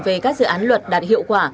về các dự án luật đạt hiệu quả